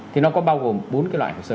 thì nó có bao gồm bốn loại hồ sơ